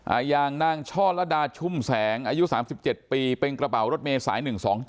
อย่างนางช่อระดาชุ่มแสงอายุ๓๗ปีเป็นกระเป๋ารถเมษาย๑๒๗